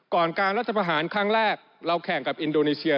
การรัฐประหารครั้งแรกเราแข่งกับอินโดนีเซีย